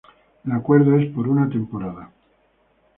El acuerdo es por una temporada.